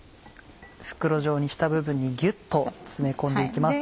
袋状にした部分にぎゅっと詰め込んで行きます。